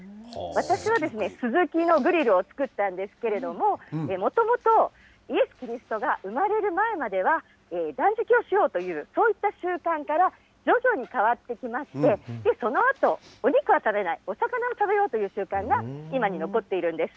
私は、スズキのグリルを作ったんですけれども、もともとイエス・キリストが産まれる前までは断食をしようと、そういった習慣から徐々に変わってきまして、そのあとお肉は食べない、お魚を食べようという習慣が今に残っているんです。